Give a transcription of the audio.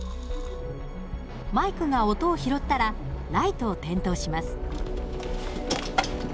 マイクが音を拾ったらライトを点灯します。